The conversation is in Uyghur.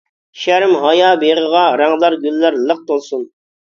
شەرم-ھايا بېغىغا، رەڭدار گۈللەر لىق تولسۇن.